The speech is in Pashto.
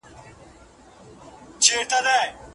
رسول الله د نفقې قید په کوم شي سره کړی دی؟